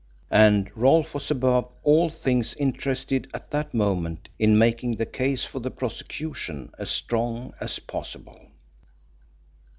And Rolfe was above all things interested at that moment in making the case for the prosecution as strong as possible.